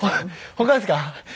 他ですか？